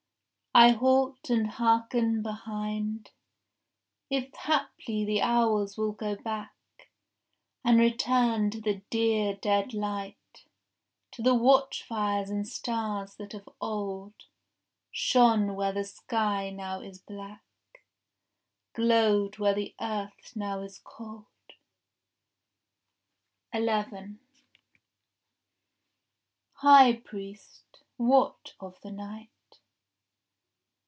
I halt and hearken behind If haply the hours will go back And return to the dear dead light, To the watchfires and stars that of old Shone where the sky now is black, Glowed where the earth now is cold. 11 High priest, what of the night?